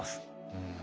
うん。